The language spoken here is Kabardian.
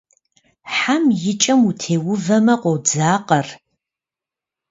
Хьэм и кӏэм утеувэмэ, къодзакъэр.